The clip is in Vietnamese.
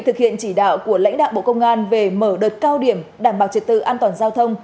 thực hiện chỉ đạo của lãnh đạo bộ công an về mở đợt cao điểm đảm bảo trật tự an toàn giao thông